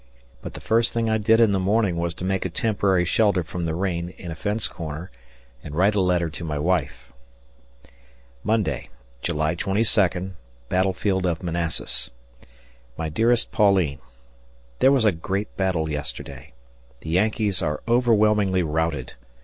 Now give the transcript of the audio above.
But the first thing I did in the morning was to make a temporary shelter from the rain in a fence corner and write a letter to my wife. Monday, July 22d, Battlefield of Manassas. My dearest Pauline: There was a great battle yesterday. The Yankees are overwhelmingly routed.